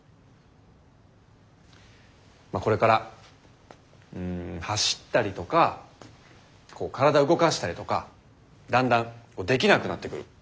まあこれから走ったりとか体動かしたりとかだんだんできなくなってくる。